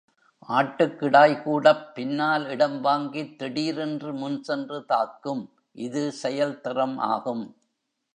ஆட்டுக்கிடாய்கூடப் பின்னால் இடம்வாங்கித் திடீர் என்று முன்சென்று தாக்கும் இது செயல்திறம் ஆகும்.